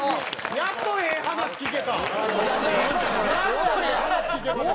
やっとええ話聞けました。